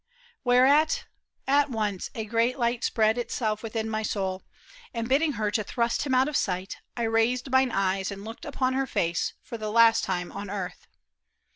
Whereat at once A great light spread itself within my soul, And bidding her to thrust him out of sight, I raised mine eyes and looked upon her face For the last time on earth.